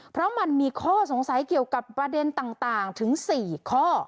เพราะมันมีข้อสงสัยเกี่ยวกับประเด็นต่างถึง๔ข้อ